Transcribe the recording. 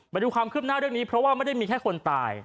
มาดูความคืบหน้าเรื่องนี้เพราะว่าไม่ได้มีแค่คนตาย